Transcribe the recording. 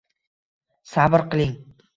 Sabr qiling!